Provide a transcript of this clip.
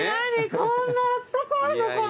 こんなあったかいの？